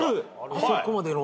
あそこまでの？